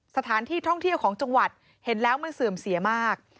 สถานที่ท่องเที่ยวของจังหวัดเห็นแล้วมันเสื่อมเสียมาก